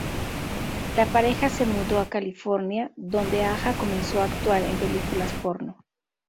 La pareja se mudó a California, donde Aja comenzó a actuar en películas porno.